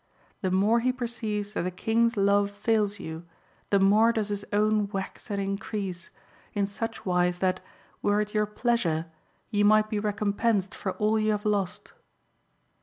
The more he perceives that the King's love fails you, the more does his own wax and increase, in such wise that, were it your pleasure, you might be recompensed for all you have lost."